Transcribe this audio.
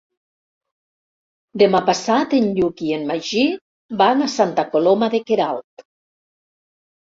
Demà passat en Lluc i en Magí van a Santa Coloma de Queralt.